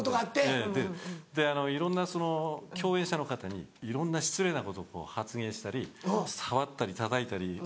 ええでいろんな共演者の方にいろんな失礼なことを発言したり触ったりたたいたり。